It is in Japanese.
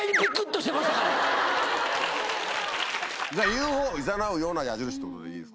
ＵＦＯをいざなうような矢印ってことでいいですか。